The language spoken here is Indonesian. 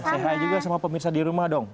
selamat tinggal juga sama pemirsa di rumah dong